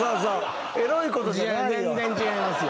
全然違いますよ